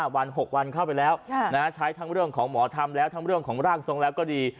วัน๖วันเข้าไปแล้วใช้ทั้งเรื่องของหมอธรรมแล้วทั้งเรื่องของร่างทรงแล้วก็ดี